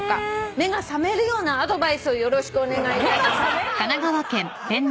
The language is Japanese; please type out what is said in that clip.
「目が覚めるようなアドバイスをよろしくお願いいたします」「目が覚めるような」